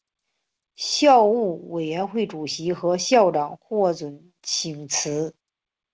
校务委员会主席和校长获准请辞。